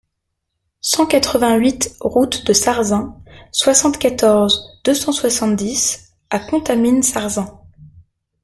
cent quatre-vingt-huit route de Sarzin, soixante-quatorze, deux cent soixante-dix à Contamine-Sarzin